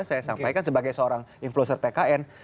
saya sampaikan sebagai seorang influencer tkn